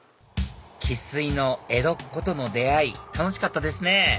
生粋の江戸っ子との出会い楽しかったですね